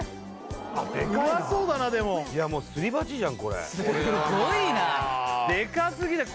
うまそうだなでももうすり鉢じゃんこれすごいなデカすぎだよ